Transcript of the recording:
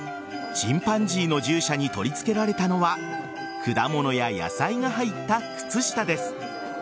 チンパンジーの獣舎に取り付けられたのは果物や野菜が入った靴下です。